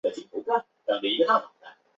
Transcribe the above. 对照语言学的特征。